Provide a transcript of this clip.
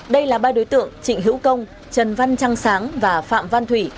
đây là ba đối tượng trịnh hữu công trần văn trăng sáng và phạm văn thủy